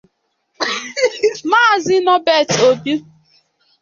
Maazị Nobert Obi